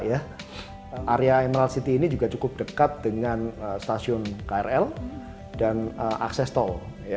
area emerald city ini juga cukup dekat dengan stasiun krl dan akses tol